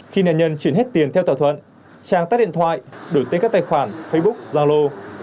khi nạn nhân chuyển hết tiền theo thỏa thuận trang tắt điện thoại đổi tên các tài khoản facebook zalo